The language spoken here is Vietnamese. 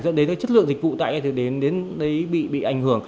dẫn đến cái chất lượng dịch vụ tại đến đấy bị ảnh hưởng